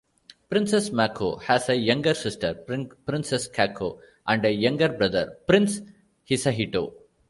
Princess Mako has a younger sister, Princess Kako, and a younger brother, Prince Hisahito.